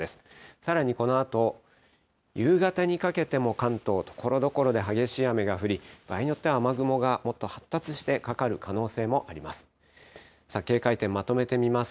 さらにこのあと夕方にかけても関東、ところどころで激しい雨が降り、場合によっては雨雲がもっと発達してかかる可能性もあります。